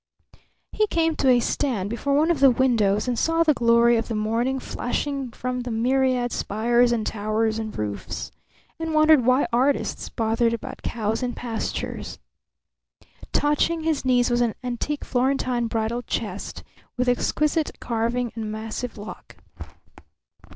He came to a stand before one of the windows and saw the glory of the morning flashing from the myriad spires and towers and roofs, and wondered why artists bothered about cows in pastures. Touching his knees was an antique Florentine bridal chest, with exquisite carving and massive lock.